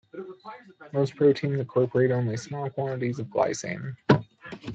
Most proteins incorporate only small quantities of glycine.